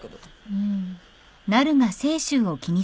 うん。